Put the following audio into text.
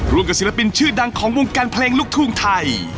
กับศิลปินชื่อดังของวงการเพลงลูกทุ่งไทย